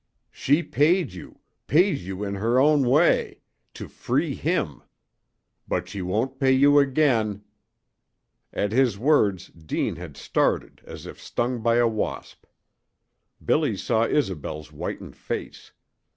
She paid you paid you in her own way to free him! But she won't pay you again " At his words Deane had started as if stung by a wasp. Billy saw Isobel's whitened face.